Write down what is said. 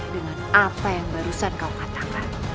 dengan apa yang barusan kau katakan